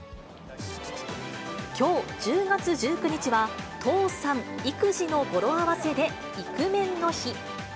きょう、１０月１９日は、とうさんいくじの語呂合わせでイクメンの日。